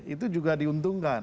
itu juga diuntungkan